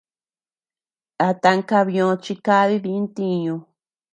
A tan kabiö chi kadi dì ntiñu.